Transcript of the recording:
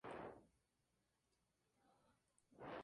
La realidad es la que es y nadie puede modificarla.